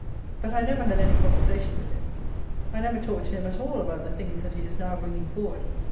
But I never had any conversation with him: I never talked to him at all about the things that he is now bringing forward.